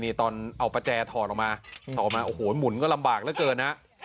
นี่ตอนเอาประแจถอดออกมาถอดออกมาโอ้โหหมุนก็ลำบากเหลือเกินนะ